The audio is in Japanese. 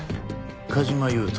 梶間優人